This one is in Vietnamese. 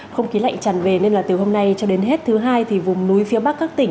không khí lạnh tràn về nên là từ hôm nay cho đến hết thứ hai thì vùng núi phía bắc các tỉnh